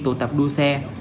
tụ tập đua xe